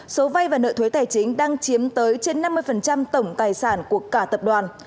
số vay và nợ thuế tài chính đang chiếm tới trên năm mươi tổng tài sản của cả tập đoàn